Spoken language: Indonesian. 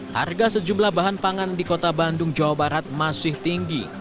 harga sejumlah bahan pangan di kota bandung jawa barat masih tinggi